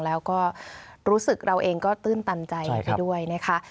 แล้วก็รู้สึกเราเองก็ตื้นตันใจไปด้วยนะคะ